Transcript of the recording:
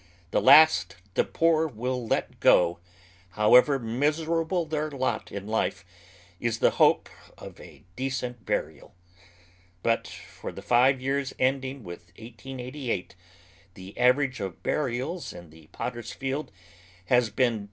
The last the poor will let go, however miserable their lot in life, is the hope of a decent burial. But for the five years ending with 1888 the average of burials in the Potter's Field has been 10.